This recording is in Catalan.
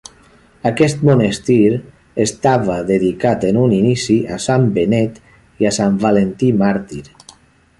Aquest monestir estava dedicat en un inici a Sant Benet i a Sant Valentí màrtir.